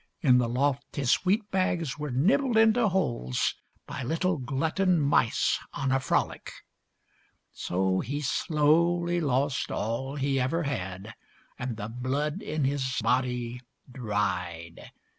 In the loft his wheat bags were nibbled into holes By little, glutton mice on a frolic. So he slowly lost all he ever had, And the blood in his body dried.